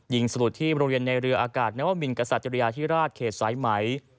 สลุดที่โรงเรียนในเรืออากาศนวมินกษัตริยาธิราชเขตสายไหม